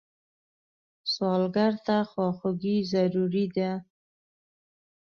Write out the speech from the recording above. سوالګر ته خواخوږي ضروري ده